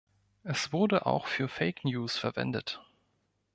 Es wurde auch für Fake News verwendet.